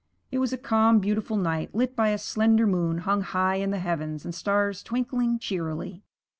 It was a calm, beautiful night, lit by a slender moon hung high in the heavens and stars twinkling cheerily.